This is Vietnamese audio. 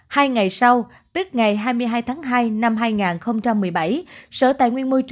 hai ngày sau tức ngày hai mươi hai tháng hai năm hai nghìn một mươi bảy